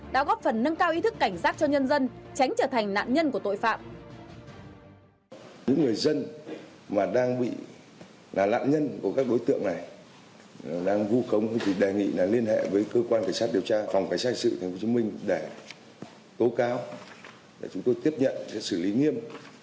đã góp phần nâng cao ý thức cảnh giác cho nhân dân tránh trở thành nạn nhân của tội phạm